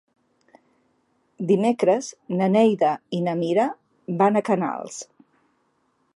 Dimecres na Neida i na Mira van a Canals.